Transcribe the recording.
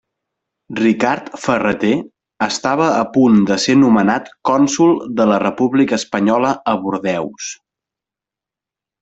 Ricard Ferrater estava a punt de ser nomenat cònsol de la República Espanyola a Bordeus.